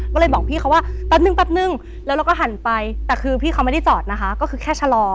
ก็เลยบอกพี่เขาว่าแป๊บนึงแป๊บนึงแล้วเราก็หันไปแต่คือพี่เขาไม่ได้จอดนะคะก็คือแค่ชะลอ